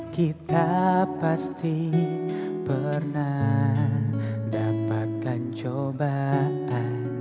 kita pasti pernah dapatkan comongan